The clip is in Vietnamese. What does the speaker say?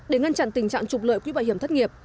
để ngăn chặn tình trạng trục lợi quỹ bảo hiểm thất nghiệp